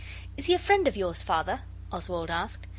'Is he a friend of yours, Father?' Oswald asked.